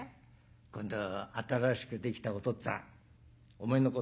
今度新しくできたおとっつぁんおめえのこと